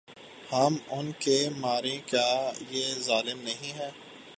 ہم ان کو ماریں کیا یہ ظلم نہیں ہے ۔